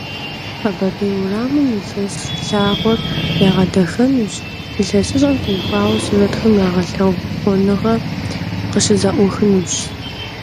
Къэбэрдей уэрамым и лъэс лъагъуэр ягъэдахэнущ, ИлъэсыщӀэм теухуа сурэтхэм я гъэлъэгъуэныгъэ къыщызэӀуахынущ.